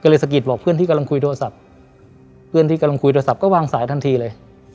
ก็เลยสะกิดบอกเพื่อนที่กำลังคุยโทรศัพท์เพื่อนที่กำลังคุยโทรศัพท์ก็วางสายทันทีเลย